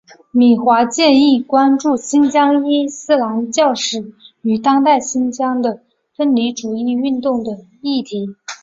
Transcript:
米华健亦关注新疆伊斯兰教史与当代新疆的分离主义运动等议题。